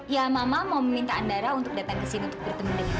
ya mama mau meminta andara untuk datang ke sini untuk bertemu dengan